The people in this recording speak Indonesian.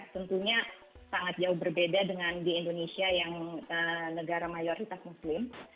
tentunya sangat jauh berbeda dengan di indonesia yang negara mayoritas muslim